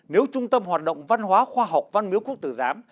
nếu trung tâm hoạt động văn hóa khoa học văn miếu quốc tử giám